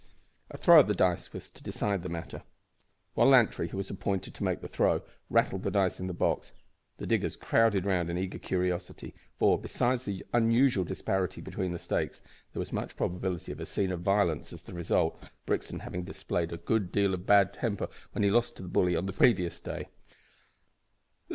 A throw of the dice was to decide the matter. While Lantry, who was appointed to make the throw, rattled the dice in the box, the diggers crowded round in eager curiosity, for, besides the unusual disparity between the stakes, there was much probability of a scene of violence as the result, Brixton having displayed a good deal of temper when he lost to the bully on the previous day.